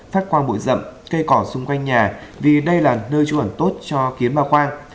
phát quang bụi rậm cây cỏ xung quanh nhà vì đây là nơi truẩn tốt cho kiến ma khoang